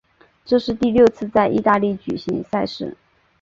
这是第六次在意大利举行赛事。